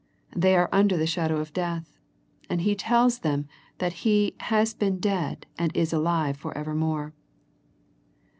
They are under the shadow of death, and He tells them that He " has been dead, and is alive forevermore."